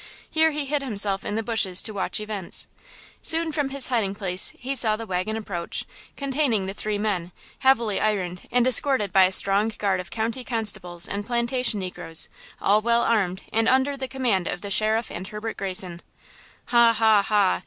Here he hid himself in the bushes to watch events. Soon from his hiding place he saw the wagon approach, containing the three men, heavily ironed and escorted by a strong guard of county constables and plantation negroes, all well armed, and under the command of the Sheriff and Herbert Greyson. "Ha, ha, ha!